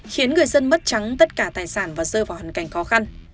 khiến người dân mất trắng tất cả tài sản và rơi vào hoàn cảnh khó khăn